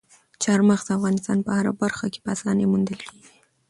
چار مغز د افغانستان په هره برخه کې په اسانۍ موندل کېږي.